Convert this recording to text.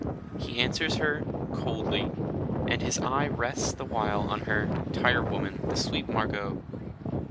He answers her "coldly," and his eye rests the while on her "tirewoman, the sweet Margot."